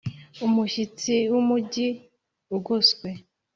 umushyitsi w Umugi ugoswe